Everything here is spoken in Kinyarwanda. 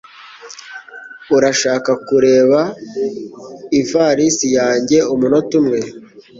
Urashaka kureba ivalisi yanjye umunota umwe?